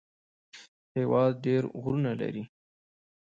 هېواد ډېر غرونه لري